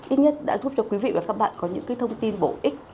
ít nhất đã giúp cho quý vị và các bạn có những thông tin bổ ích